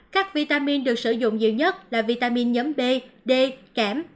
các vitamin được sử dụng nhiều nhất là vitamin nhóm b d kém